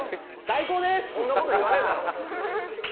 そんなこと言わねえだろ。